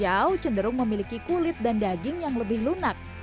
riau cenderung memiliki kulit dan daging yang lebih lunak